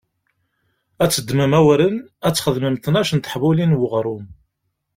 Ad d-teddmem awren, ad d-txedmem tnac n teḥbulin n uɣrum.